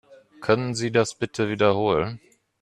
Können Sie das bitte wiederholen?